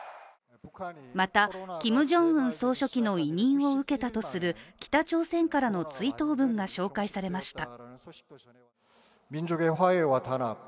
また、キム・ジョンウン総書記の委任を受けたとする北朝鮮からの追悼文が紹介されました。